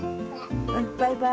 バイバイ。